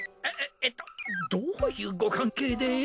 えっとどういうご関係で？